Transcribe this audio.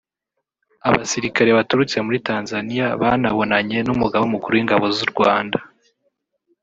Abasirikare baturutse muri Tanzaniya banabonanye n’Umugaba mukuru w’Ingabo z’u Rwanda